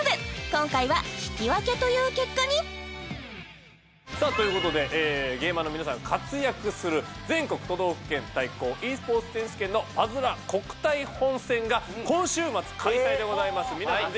今回は引き分けという結果にということでゲーマーの皆さん活躍する全国都道府県対抗ｅスポーツ選手権のパズドラ国体本戦が今週末開催でございます皆さん